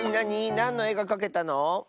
なんの「え」がかけたの？